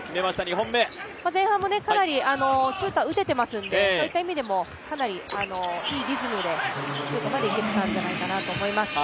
前半もかなりシュートは打ててますので、そういった意味でもかなりいいリズムでシュートまでいけてたんじゃないかなと思います。